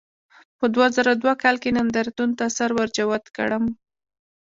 په دوه زره دوه کال کې نندارتون ته سر ورجوت کړم.